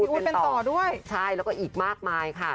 อู๊ดเป็นต่อด้วยใช่แล้วก็อีกมากมายค่ะ